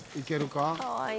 かわいい。